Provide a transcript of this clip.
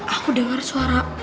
aku denger suara